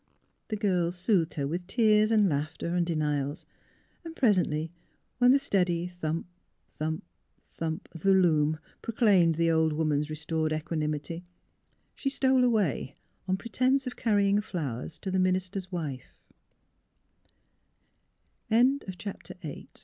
The girl soothed her with tears and laughter and denials, and presently, when the steady, thump thump thump of the loom proclaimed the old woman's restored equanimity, she stole away on pretence of carrying flowers to the min